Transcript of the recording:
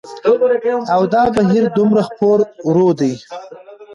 او دا بهير دومره خپور وور دى